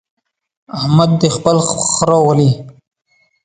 احمد دې خپل خره ولي.